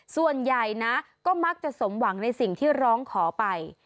ส่วนใหญ่นะก็มักจะสมหวังในสิ่งที่ร้องขอไป